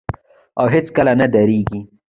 او هیڅکله نه دریږي.